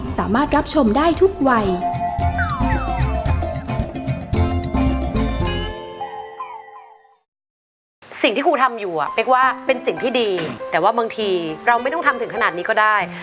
สิ่งที่คุณทำอยู่เป็นสิ่งที่ดีแต่ว่าบางทีเราไม่ต้องทำถึงขนาดนี้ก็ได้